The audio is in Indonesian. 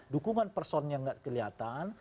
dukungan person yang gak kelihatan